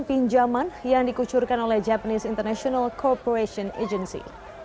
pinjaman yang dikucurkan oleh japanese international corporation agency